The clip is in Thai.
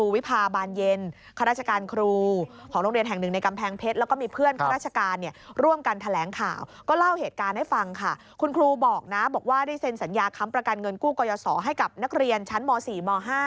ว่าได้เซ็นสัญญาค้ำประกันเงินกู้กยสอให้กับนักเรียนชั้นม๔ม๕